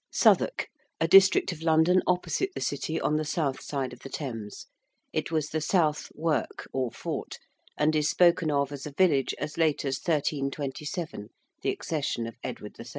~Southwark~: a district of London opposite the City, on the south side of the Thames. It was the South work, or fort, and is spoken of as a village as late as 1327, the accession of Edward III.